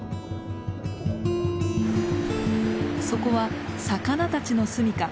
そこは魚たちのすみか。